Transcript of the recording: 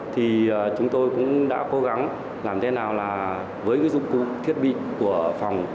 thì chúng tôi cũng đã cố gắng làm thế nào là với cái dụng cụ thiết bị của phòng